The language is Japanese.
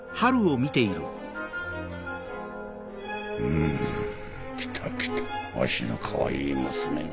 うん来た来たわしのかわいい娘が。